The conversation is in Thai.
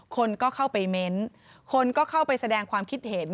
คนก็เข้าไปเม้นต์คนก็เข้าไปแสดงความคิดเห็น